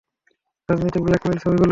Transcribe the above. রাজনৈতিক ব্ল্যাকমেইলের ছবিগুলো?